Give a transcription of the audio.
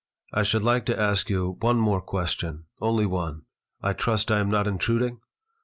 I should like to ask you one more question. Only one. I trust I am not intruding?"